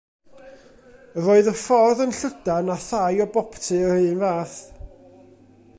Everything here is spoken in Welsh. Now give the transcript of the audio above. Yr oedd y ffordd yn llydan a thai o boptu yr un fath.